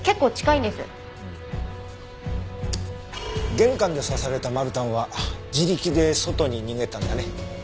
玄関で刺されたマルタンは自力で外に逃げたんだね。